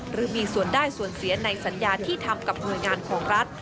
หรือมีส่วนได้ส่วนเสียในสัญญาที่ทำกับหน่วยงานของรัฐ